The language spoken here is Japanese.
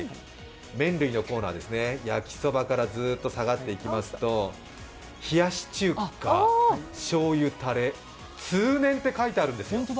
麺類のコーナーですね、焼そばからずっと下がっていきますと冷やし中華醤油タレ、通年って書いてあるんですよ。